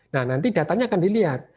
nah nanti datanya akan dilihat